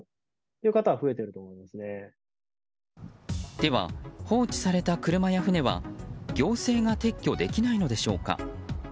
では、放置された車や船は行政が撤去できないのでしょうか。